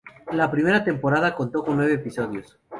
La primera temporada contó con nueve episodios.